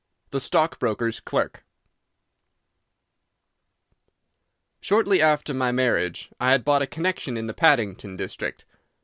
The Stockbroker's Clerk Shortly after my marriage I had bought a connection in the Paddington district.